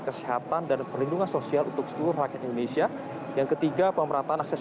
kesehatan dan perlindungan sosial untuk seluruh rakyat indonesia yang ketiga pemerataan akses